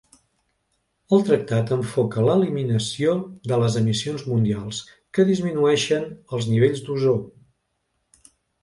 El tractat enfoca l'eliminació de les emissions mundials que disminueixen els nivells d’ozó.